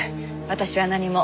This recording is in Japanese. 私は何も。